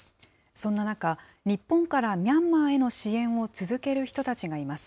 そんな中、日本からミャンマーへの支援を続ける人たちがいます。